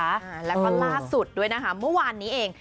อ่าแล้วก็ล่าสุดด้วยนะคะเมื่อวานนี้เอง